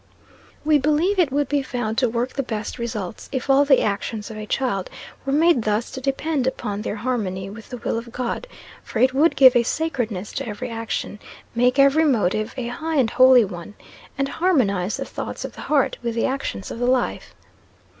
We believe it would be found to work the best results, if all the actions of a child were made thus to depend upon their harmony with the will of God; for it would give a sacredness to every action, make every motive a high and holy one, and harmonise the thoughts of the heart with the actions of the life.